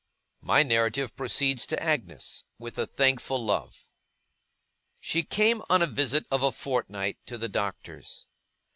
My narrative proceeds to Agnes, with a thankful love. She came on a visit of a fortnight to the Doctor's.